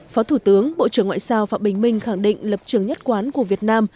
phó thủ tướng bộ trưởng ngoại giao phạm bình minh khẳng định lập trường nhất quán của việt nam